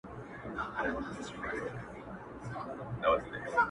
o چي ما در کړه، خداى دې در کړي٫